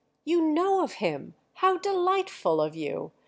"You know of him?—how delightful of you!